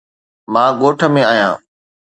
مان ڳوٺ ۾ آهيان.